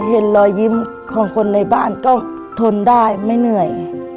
เห็นรอยยิ้มของคนในบ้านก็ทนได้ไม่เหนื่อย